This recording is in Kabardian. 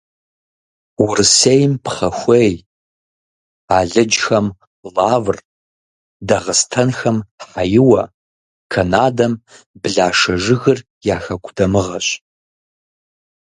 Урысейм пхъэхуей, алыджхэм лавр, дагъыстэнхэм хьэиуэ, канадэм блашэ жыгыр я хэку дамыгъэщ.